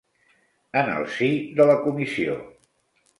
En el si de la comissió.